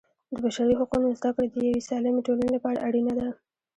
د بشري حقونو زده کړه د یوې سالمې ټولنې لپاره اړینه ده.